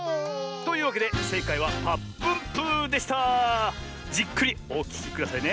というわけでせいかいは「ぱっぷんぷぅ」でした！じっくりおききくださいね。